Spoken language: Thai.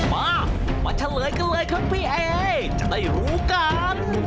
มามาเฉลยกันเลยครับพี่เอจะได้รู้กัน